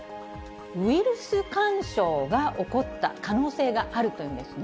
ウイルス干渉が起こった可能性があるというんですね。